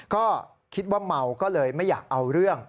ก็คิดว่าเมาก็เลยไม่อยากเอาเรื่อง